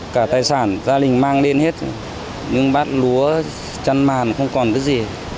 cả tài sản gia đình mang lên hết nhưng bát lúa chăn màn không còn cái gì